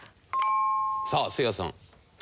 さあせいやさん。